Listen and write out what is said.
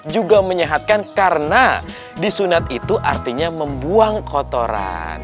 juga menyehatkan karena disunat itu artinya membuang kotoran